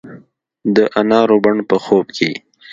د انارو بڼ په خوب کې